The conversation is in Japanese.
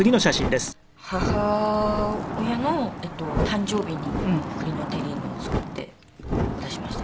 母親の誕生日に栗のテリーヌを作って渡しました。